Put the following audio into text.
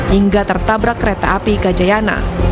hingga tertabrak kereta api ke jayana